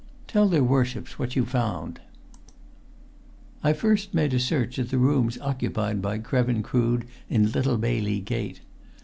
"Tell their Worships what you found." "I first made a search at the rooms occupied by Krevin Crood in Little Bailey Gate.